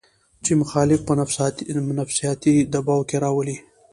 چې مخالف پۀ نفسياتي دباو کښې راولي